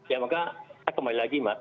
ya maka saya kembali lagi mbak